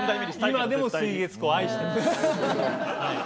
今でも水月湖を愛してます。